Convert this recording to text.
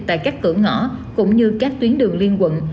tại các cửa ngõ cũng như các tuyến đường liên quận